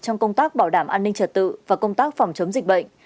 trong công tác bảo đảm an ninh trật tự và công tác phòng chống dịch bệnh